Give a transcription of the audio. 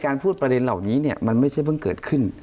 พูดประเด็นเหล่านี้เนี่ยมันไม่ใช่เพิ่งเกิดขึ้น